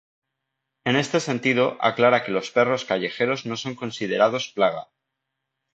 En este sentido, aclara que los perros callejeros no son considerados plaga.